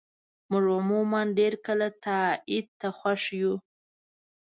موږ عموماً ډېر کله تایید ته خوښ یو.